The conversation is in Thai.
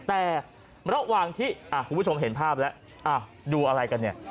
แต่ระหว่างที่คุณผู้ชมเห็นภาพแล้วดูอะไรกันเนี่ย